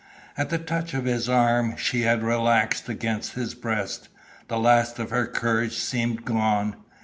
At the touch of his arms she had relaxed against his breast. The last of her courage seemed gone.